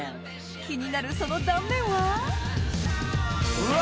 気になるその断面は？うわ！